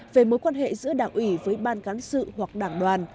về mối quan hệ giữa đảng ủy với ban cán sự hoặc đảng đoàn